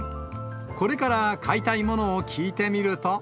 これから買いたいものを聞いてみると。